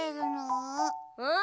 うん？